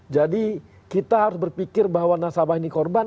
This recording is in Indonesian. jadi kita harus berpikir bahwa nasabah ini korban